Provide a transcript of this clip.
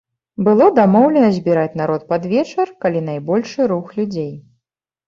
Было дамоўлена збіраць народ пад вечар, калі найбольшы рух людзей.